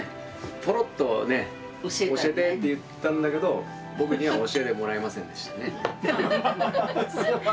ポロッとね教えてって言ったんだけど僕には教えてもらえませんでしたね。